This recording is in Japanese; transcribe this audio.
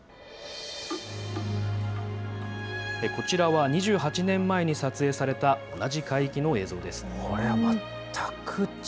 こちらは２８年前に撮影された同じ海域の映像です。